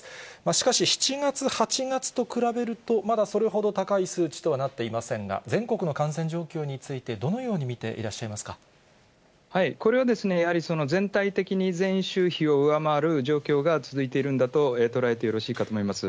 しかし、７月、８月と比べると、まだそれほど高い数値とはなっていませんが、全国の感染状況について、どのように見ていらっしゃこれはやはり、全体的に前週比を上回る状況が続いているんだと捉えてよろしいかと思います。